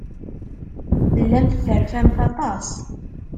Tellamt terfamt aṭas.